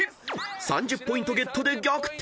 ３０ポイントゲットで逆転］